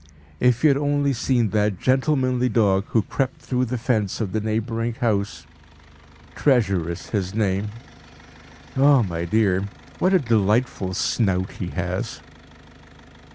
If you had only seen that gentlemanly dog who crept through the fence of the neighbouring house. 'Treasure' is his name. Ah, my dear, what a delightful snout he has!"